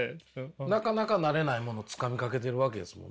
なかなかなれないものつかみかけてるわけですもんね。